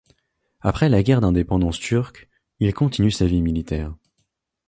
Après la guerre d'indépendance turque, il continue sa vie militaire.